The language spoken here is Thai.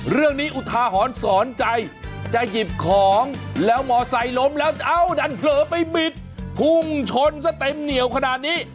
เรื่องนี้อุทาหอนสอนใจจะหยิบของแล้วหมอใส่ลมแล้วเอาดันเผลอไปบิดพุ่งชนซะเต็มเหนียวขนาดนี้